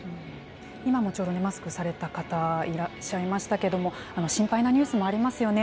今もちょうどマスクされた方、いらっしゃいましたけれども、心配なニュースもありますよね。